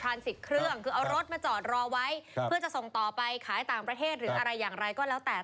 ทางมีทางสิทธิ์เครื่องมีรถมาจอดรอไว้เพื่อจะส่งต่อไปขายต่างประเทศหรืออะไรอย่างไรก็แล้วแต่